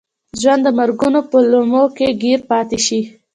ژوند د مرګونو په لومو کې ګیر پاتې شي.